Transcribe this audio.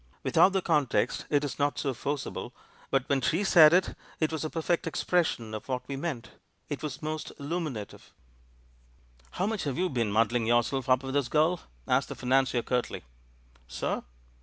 ... Without the context it is not so forcible, but when she said it, it was a perfect expression of what we meant, it was most illuminative !" "How much have you been muddling yourself up with this girl?" asked the financier curtly. "Sir?"